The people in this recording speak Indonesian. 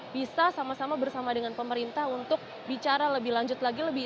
bisa sama sama bersama dengan pemerintah untuk bicara lebih lanjut lagi